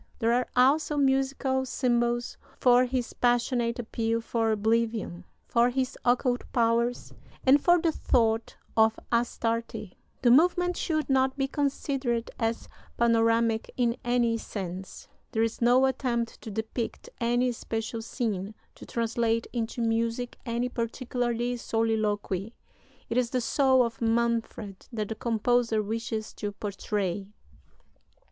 There are also musical symbols for his passionate appeal for oblivion, for his occult powers, and for the thought of Astarte. "The movement should not be considered as panoramic in any sense. There is no attempt to depict any special scene, to translate into music any particular soliloquy. It is the soul of Manfred that the composer wishes to portray."